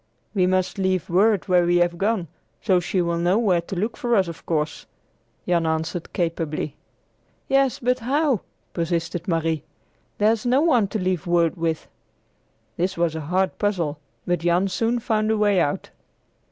"We must leave word where we have gone, so she will know where to look for us, of course," Jan answered capably. "Yes, but how?" persisted Marie. "There's no one to leave word with!" This was a hard puzzle, but Jan soon found a way out.